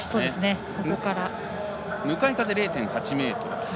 向かい風０．８メートルです。